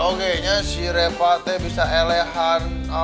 oke ini reva bisa memilih kata kata yang benar